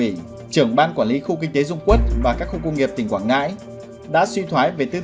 ủy trưởng ban quản lý khu kinh tế dung quốc và các khu công nghiệp tỉnh quảng ngãi đã suy thoái về tư